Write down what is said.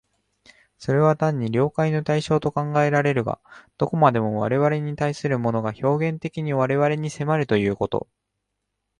それは単に了解の対象と考えられるが、どこまでも我々に対するものが表現的に我々に迫るということ、